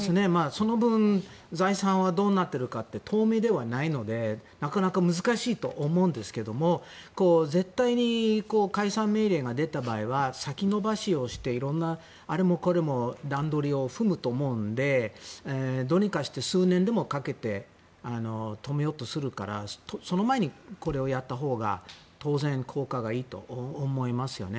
その分、財産はどうなってるか透明ではないのでなかなか難しいと思うんですが絶対に解散命令が出た場合は先延ばしをしていろんなあれもこれも段取りを踏むと思うのでどうにかして数年でもかけて止めようとするからその前にこれをやったほうが当然効果があると思いますよね。